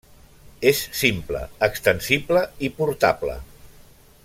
És simple, extensible i portable.